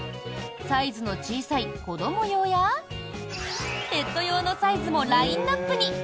サイズの小さい子ども用やペット用のサイズもラインアップに。